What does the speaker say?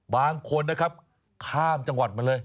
บางคนนะครับข้ามจังหวัดมาเลย